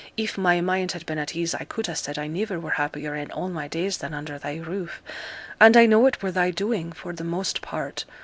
'If my mind had been at ease I could ha' said I niver were happier in all my days than under thy roof; and I know it were thy doing for the most part.